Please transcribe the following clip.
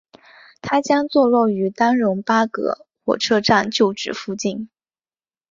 它将坐落于丹戎巴葛火车站旧址附近。